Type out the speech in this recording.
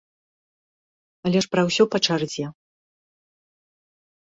Але ж пра ўсё па чарзе.